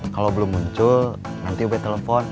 kalau belum muncul nanti udah telepon